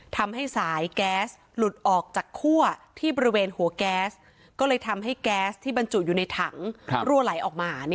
ทำให้สายแก๊สหลุดออกจากคั่วที่บริเวณหัวแก๊สก็เลยทำให้แก๊สที่บรรจุอยู่ในถังรั่วไหลออกมา